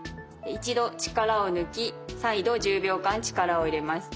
一度力を抜き再度１０秒間力を入れます。